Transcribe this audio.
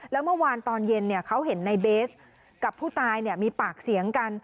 แล้วเมื่อวานตอนเย็นเขาเห็นในเบสกับผู้ตายมีปากเสียงกัน